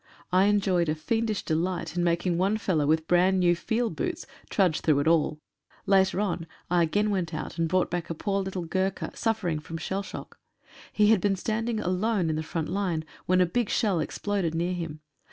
I enjoyed a fiendish delight in making one fellow with brand new field boots trudge through it all. Later on I again went out and brought back a poor little Gurkha suffering from shell shock. He had been standing alone in the front line when a big shell exploded near him.